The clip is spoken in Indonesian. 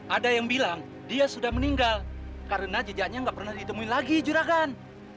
ada yang bilang dia sudah meninggal karena jejaknya nggak pernah ditemuin lagi juragan